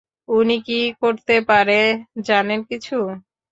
উনি কী করতে পারে জানেন কিছু?